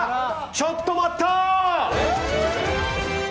ちょっと待った！